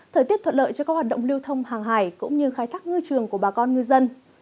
thời tiết thuận lợi cho các hoạt động lưu thông hàng hải cũng như khai thác ngư trường của bà con ngư dân